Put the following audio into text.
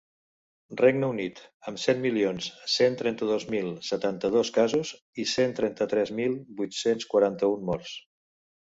Regne Unit, amb set milions cent trenta-dos mil setanta-dos casos i cent trenta-tres mil vuit-cents quaranta-un morts.